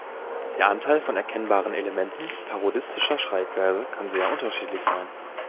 Der Anteil von erkennbaren Elementen parodistischer Schreibweise kann sehr unterschiedlich sein.